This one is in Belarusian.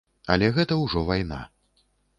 Але гэта ўжо вайна.